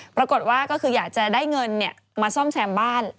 ปรากฏว่าก็คืออยากจะได้เงินมาซ่อมแซมบ้าน